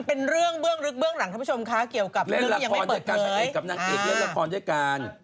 เป็นเรื่องเรื่องลึกเรื่อง่านทำชมค่ะเกี่ยวเรื่องเรื่องเกิดไม่เปิดไหม